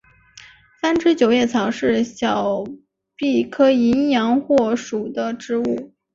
三枝九叶草是小檗科淫羊藿属的植物。